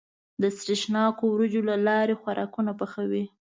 د سرېښناکو وريجو له لارې خوراکونه پخوي.